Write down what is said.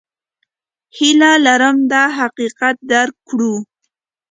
هیله لرم دا حقیقت درک کړو.